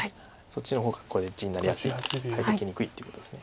そっちの方がこれ地になりやすい入っていきにくいっていうことです。